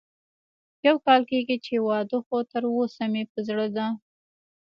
يو کال کېږي چې واده خو تر اوسه مې په زړه ده